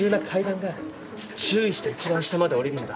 注意して一番下まで下りるんだ。